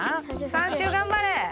３周頑張れ！